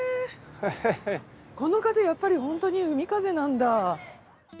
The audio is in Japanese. この風やっぱり本当に海風なんだ。